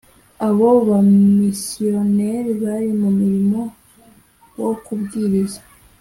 abo bamisiyonari bari mu murimo wo kubwiriza